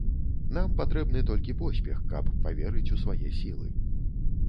Нам патрэбны толькі поспех, каб паверыць у свае сілы.